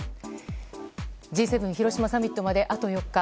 Ｇ７広島サミットまであと４日。